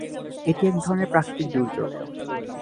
এটি এক ধরনের প্রাকৃতিক দুর্যোগ।